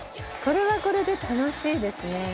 これはこれで楽しいですね。